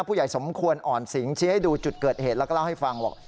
ผู้ใหญ่สมควรอ่อนสิงชี้ให้ดูจุดเกิดเหตุแล้วก็เล่าให้ฟังบอก